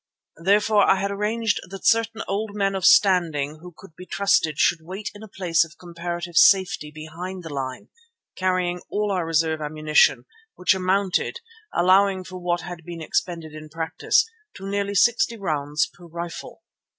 Therefore I had arranged that certain old men of standing who could be trusted should wait in a place of comparative safety behind the line, carrying all our reserve ammunition, which amounted, allowing for what had been expended in practice, to nearly sixty rounds per rifle.